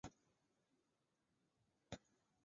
所放出的蓝光会被绿色荧光蛋白转变为绿光。